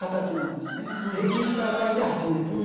平均した値で８ｍ。